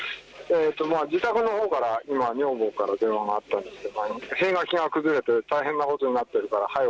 自宅のほうから今、女房から電話があったんですが塀垣が崩れて大変なことになっているからはよ